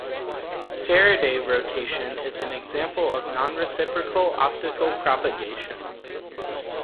Faraday rotation is an example of non-reciprocal optical propagation.